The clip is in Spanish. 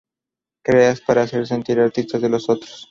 Creas para hacer sentir artistas a los otros.